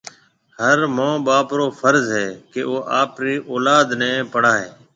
هر مان ٻاپ رو فرض هيَ ڪيَ او آپريَ اولاد نَي پڙهائي۔